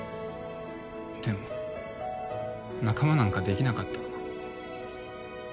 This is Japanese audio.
でも仲間なんかできなかった。